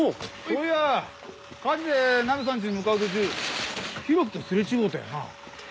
そういや火事でナミさんちに向かう途中浩喜とすれ違うたよな？